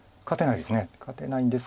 勝てないです。